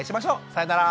さようなら！